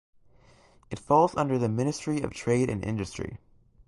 It falls under the Ministry of Trade and Industry.